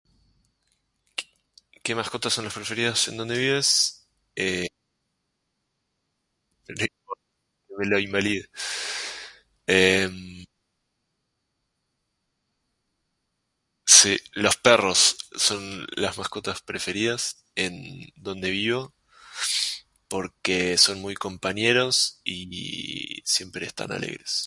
¿Qué mascotas son las preferidas en donde vives? Eh... La invalido... Em... sí. Los perros... son las mascotas preferidas en donde vivo porque son muy compañeros y... siempre están alegres.